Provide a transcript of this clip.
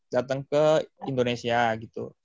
dateng ke indonesia gitu